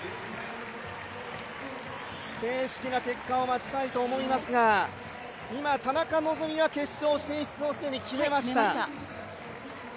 正式な結果を待ちたいと思いますが田中希実は決勝進出を既に決めました。